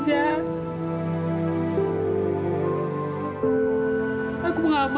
aku udah gak bisa kasih anak lagi zak